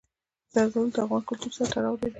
زردالو د افغان کلتور سره تړاو لري.